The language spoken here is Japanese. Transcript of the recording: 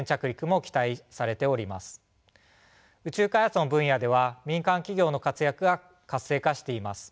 宇宙開発の分野では民間企業の活躍が活性化しています。